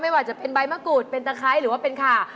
ว่าจะเป็นใบมะกรูดเป็นตะไคร้หรือว่าเป็นขา